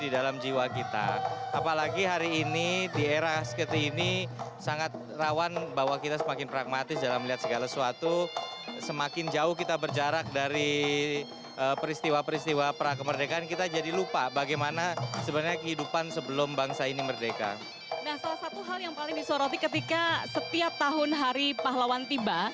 dalam ini pemerintah provinsi pemerintah kabupaten atau kota